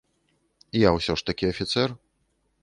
А я ўсё ж такі афіцэр.